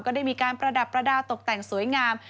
ได้มีการประดับประดาษตกแต่งสวยงาม